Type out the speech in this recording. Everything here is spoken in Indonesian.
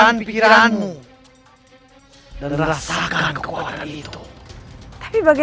ini adalah kekuatan yang baru